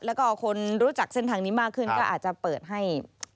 แล้วก็คนรู้จักเส้นทางนี้มากขึ้นก็อาจจะเปิดให้